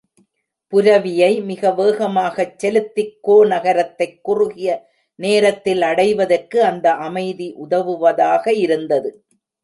புரவியை மிக வேகமாகச் செலுத்திக் கோநகரத்தைக் குறுகிய நேரத்தில் அடைவதற்கு அந்த அமைதி உதவுவதாக இருந்தது.